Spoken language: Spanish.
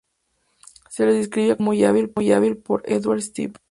Se le describía como un "joven muy hábil" por Edouard Stephan.